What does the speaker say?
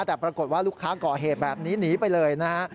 แต่ปรากฏว่าลูกค้าก่อเหตุแบบนี้หนีไปเลยนะฮะ